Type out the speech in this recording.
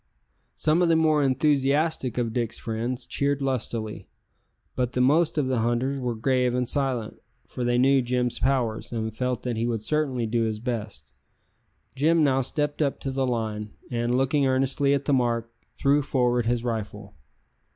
Some of the more enthusiastic of Dick's friends cheered lustily, but the most of the hunters were grave and silent, for they knew Jim's powers, and felt that he would certainly do his best. Jim now stepped up to the line, and, looking earnestly at the mark, threw forward his rifle.